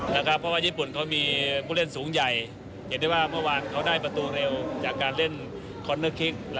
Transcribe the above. ส่วนประเด็นเรื่องสตาร์ทของนักเตะ